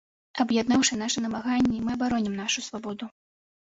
Аб'яднаўшы нашы намаганні, мы абаронім нашу свабоду!